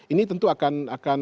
ini tentu akan